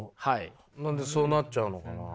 何でそうなっちゃうのかな。